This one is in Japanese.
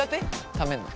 ためるの。